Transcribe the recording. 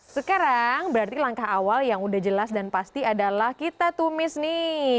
sekarang berarti langkah awal yang udah jelas dan pasti adalah kita tumis nih